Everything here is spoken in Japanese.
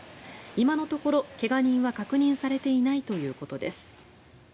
今のところ怪我人は確認されていないということです。